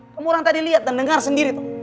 kamu orang tadi lihat dan dengar sendiri tuh